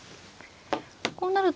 こうなると。